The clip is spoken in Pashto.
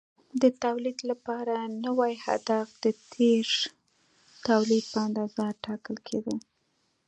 د تولید لپاره نوی هدف د تېر تولید په اندازه ټاکل کېده.